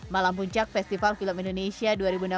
malam puncak festival film indonesia dua ribu dua puluh satu